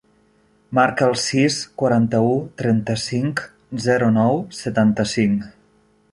Marca el sis, quaranta-u, trenta-cinc, zero, nou, setanta-cinc.